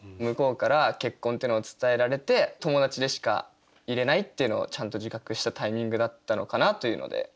向こうから結婚っていうのを伝えられて友達でしかいれないっていうのをちゃんと自覚したタイミングだったのかなというので。